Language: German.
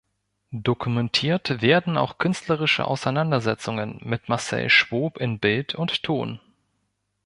Dokumentiert werden auch künstlerische Auseinandersetzungen mit Marcel Schwob in Bild und Ton.